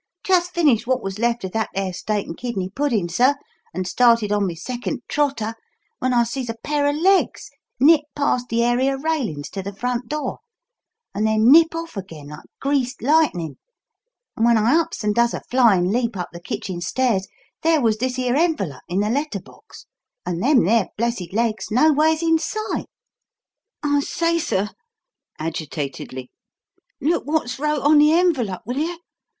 Jist finished wot was left of that there steak and kidney puddin', sir, and started on my seckint trotter, when I sees a pair o' legs nip parst the area railin's to the front door, and then nip off again like greased lightnin', and when I ups and does a flyin' leap up the kitchen stairs, there was this here envellup in the letter box, and them there blessed legs nowheres in sight. I say, sir," agitatedly, "look wot's wrote on the envellup, will yer?